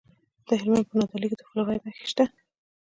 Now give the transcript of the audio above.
د هلمند په نادعلي کې د فلورایټ نښې شته.